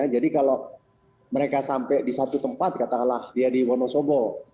jadi kalau mereka sampai di satu tempat katakanlah dia di wonosobo